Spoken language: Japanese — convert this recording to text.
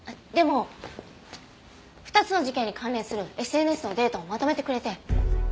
でも２つの事件に関連するＳＮＳのデータをまとめてくれて。